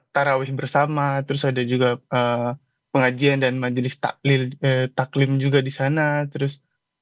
tarawih bersama terus ada juga pengajian dan majelis taklim juga di sana terus